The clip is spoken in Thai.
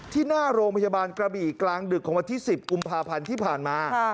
ที่หน้าโรงพยาบาลกระบี่กลางดึกของวันที่๑๐กุมภาพันธ์ที่ผ่านมา